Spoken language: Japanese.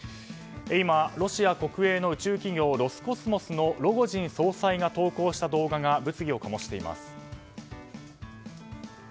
今、ロシア国営の宇宙企業ロスコスモスのロゴジン総裁が投稿した動画が